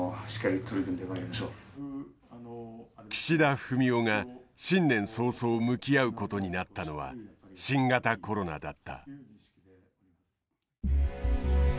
岸田文雄が新年早々向き合うことになったのは新型コロナだった。